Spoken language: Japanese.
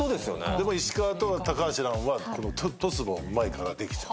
でも石川と橋藍はトスもうまいからできちゃう。